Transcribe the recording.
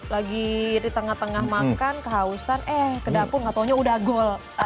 lagi di tengah tengah makan kehausan eh kedapung gak taunya udah goal